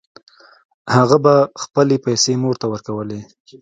هغه به خپلې پیسې مور ته ورکولې